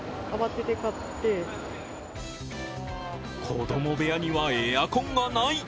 子供部屋にはエアコンがない。